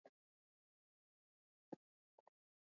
Kuna makabila mengi kenya